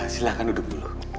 silahkan duduk dulu